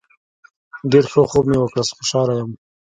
ډیر ښه خوب مې وکړ خوشحاله یم